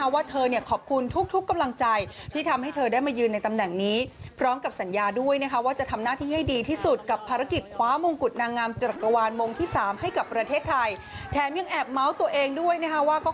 ว่าเธอขอบคุณทุกกำลังใจ